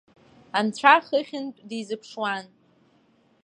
Анцәа хыхьынтә дизыԥшуан.